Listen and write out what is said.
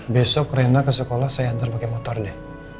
besok rena ke sekolah saya antar pakai motor deh